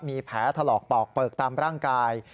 มีแผลถลอกปอกเปลือกตามร่างกาย